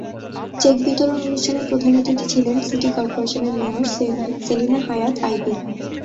Check বিতরণ অনুষ্ঠানের প্রধান অতিথি ছিলেন সিটি করপোরেশনের মেয়র সেলিনা হায়াৎ আইভী।